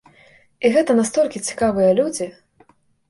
І гэта настолькі цікавыя людзі!